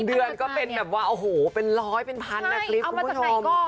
เดือนก็เป็นแบบว่าโอ้โหเป็นร้อยเป็นพันนะคลิปคุณผู้ชม